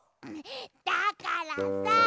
だからさ！